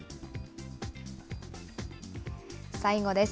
最後です。